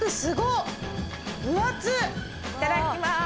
いただきます。